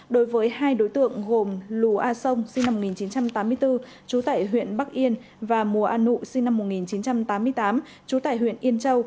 đối với hai đối tượng gồm lù a sông sinh năm một nghìn chín trăm tám mươi bốn trú tại huyện bắc yên và mùa a nụ sinh năm một nghìn chín trăm tám mươi tám trú tại huyện yên châu